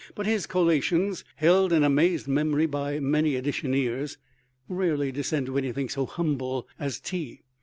But his collations, held in amazed memory by many editioneers, rarely descend to anything so humble as tea.